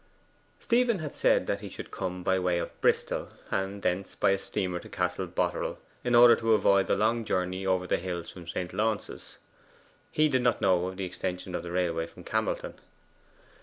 Stephen had said that he should come by way of Bristol, and thence by a steamer to Castle Boterel, in order to avoid the long journey over the hills from St. Launce's. He did not know of the extension of the railway to Camelton.